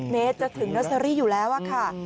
เมตรจะถึงเนอร์เซอรี่อยู่แล้วค่ะ